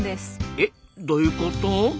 えっどういうこと？